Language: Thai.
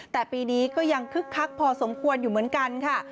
แต่ปีนี้ก็ยังคึกคักพอสมควรอยู่เหมือนกันค่ะ